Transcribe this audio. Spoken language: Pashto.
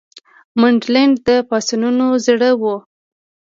منډلینډ د پاڅونونو زړه وو.